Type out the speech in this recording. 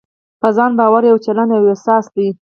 په ځان باور يو چلند او يو احساس دی.